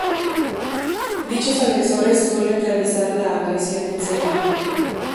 Dichos agresores suelen realizar la agresión en serie.